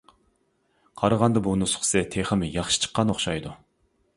قارىغاندا بۇ نۇسخىسى تېخىمۇ ياخشى چىققان ئوخشايدۇ.